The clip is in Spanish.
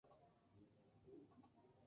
¿usted partiría?